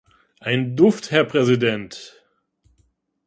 Ein Duft, Herr Präsident!